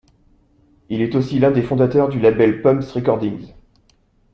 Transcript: Il est aussi l'un des fondateurs du label Pumpz Recordings.